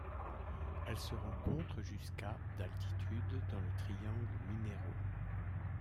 Elle se rencontre jusqu'à d'altitude dans le Triangle Mineiro.